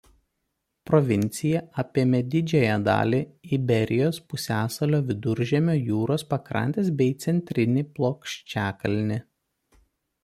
Provincija apėmė didžiąją dalį Iberijos pusiasalio Viduržemio jūros pakrantės bei centrinį plokščiakalnį.